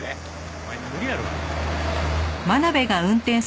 お前無理やろ。